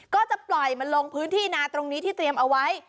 ก็จะปล่อยมันลงพื้นที่นาตรงนี้ที่เตรียมเอาไว้